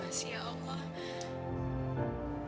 terima kasih ya allah